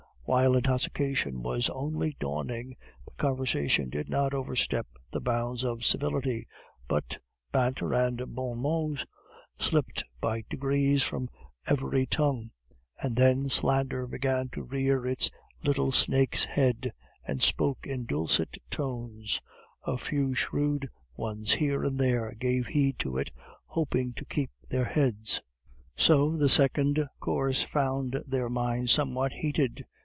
While intoxication was only dawning, the conversation did not overstep the bounds of civility; but banter and bon mots slipped by degrees from every tongue; and then slander began to rear its little snake's heard, and spoke in dulcet tones; a few shrewd ones here and there gave heed to it, hoping to keep their heads. So the second course found their minds somewhat heated.